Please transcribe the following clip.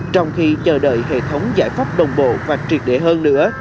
trong khi chờ đợi hệ thống giải pháp đồng bộ và triệt đệ hơn nữa